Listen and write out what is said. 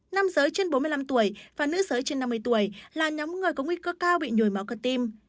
nam giới trên bốn mươi năm tuổi và nữ giới trên năm mươi tuổi là nhóm người có nguy cơ cao bị nhồi máu cơ tim